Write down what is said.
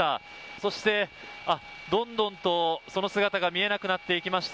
そして、どんどんと、その姿が見えなくなっていきました。